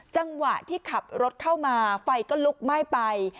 จังหวะที่ขับรถเข้ามาไฟก็ลุกไหม้ไป